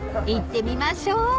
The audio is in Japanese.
［行ってみましょう］